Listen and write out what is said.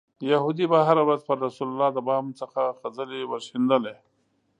یهودي به هره ورځ پر رسول د بام څخه خځلې ورشیندلې.